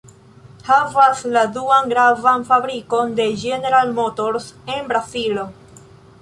Havas la duan gravan fabrikon de General Motors en Brazilo.